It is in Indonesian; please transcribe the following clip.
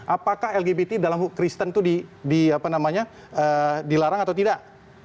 apakah lgbt dalam kristen itu dilarang atau tidak